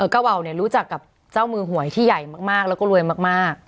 กะวาวรู้จักกับเจ้ามือหวยที่ใหญ่มากแล้วก็รวยมาก